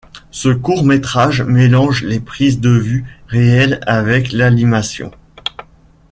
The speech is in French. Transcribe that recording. Ce court-métrage mélange les prises de vues réelles avec l'animation.